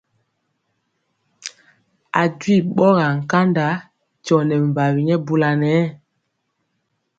A jwi ɓɔgaa nkanda tyɔ nɛ mbawi nyɛ bula nɛ.